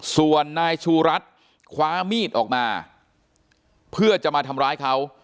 ส่วนนายชูรัฐคว้ามีดออกมาเพื่อจะมาทำร้ายเขา